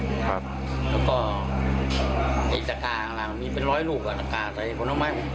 แล้วก็สักกาข้างหลังมีเป็นร้อยลูกสักกาใส่กองน้ำไม้